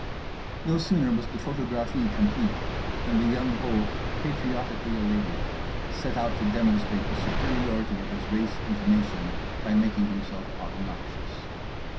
No sooner was the photographie complete than The Young Pole, patriotically elated, set out to demonstrate the superiority of his race and nation by making himself obnoxious.